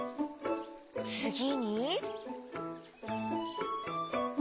つぎに？